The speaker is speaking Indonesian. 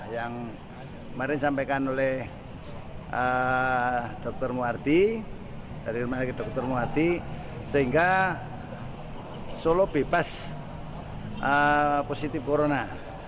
yang kemarin disampaikan oleh dokter muardi sehingga solo bebas positif corona